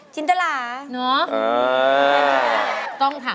ก็ถนัดอยู่กะ